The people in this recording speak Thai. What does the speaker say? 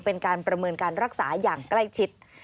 เป็นการประเมินการรักษาอย่างใกล้ชิด